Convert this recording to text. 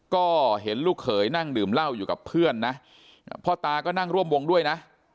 ก็เห็นลูกเขยนั่งดื่มเหล้าอยู่กับเพื่อนนะพ่อตาก็นั่งร่วมวงด้วยนะ